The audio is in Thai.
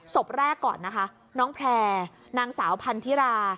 ศพแรกก่อนนะคะน้องแพร่นางสาวพันธิรา